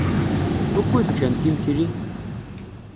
Wukud ččant imekli?